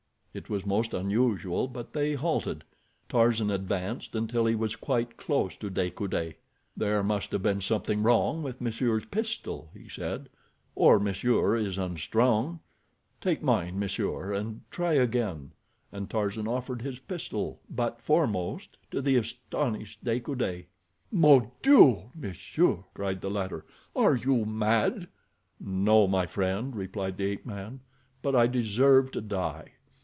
It was most unusual, but they halted. Tarzan advanced until he was quite close to De Coude. "There must have been something wrong with monsieur's pistol," he said. "Or monsieur is unstrung. Take mine, monsieur, and try again," and Tarzan offered his pistol, butt foremost, to the astonished De Coude. "Mon Dieu, monsieur!" cried the latter. "Are you mad?" "No, my friend," replied the ape man; "but I deserve to die.